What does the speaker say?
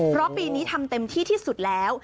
เพราะปีนี้ทำเต็มที่ที่สุดแล้ว